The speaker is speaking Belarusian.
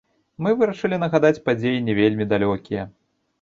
Мы вырашылі нагадаць падзеі не вельмі далёкія.